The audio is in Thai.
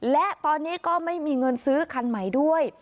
และตอนนี้ก็ไม่มีเงินซื้อคันใหม่ด้วย